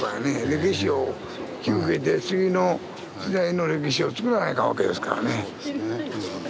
歴史を引き受けて次の時代の歴史をつくらないかんわけですからね。